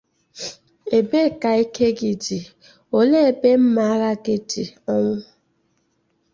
ebe ka ike gị dị? Olee ebe mma agha gị dị? Ọnwụ